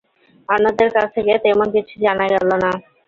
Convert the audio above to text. অন্যদের কাছ থেকে তেমন কিছু জানা গেল না।